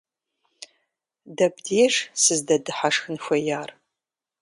Дэбдеж сыздэдыхьэшхын хуеяр?